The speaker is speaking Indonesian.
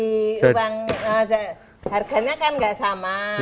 harganya kan gak sama harganya kan lebih kecil